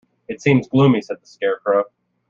"It seems gloomy," said the Scarecrow.